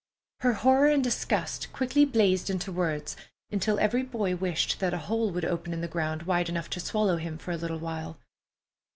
Her horror and disgust quickly blazed into words, until every boy wished that a hole would open in the ground wide enough to swallow him for a little while.